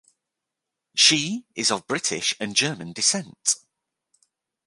She is of British and German descent.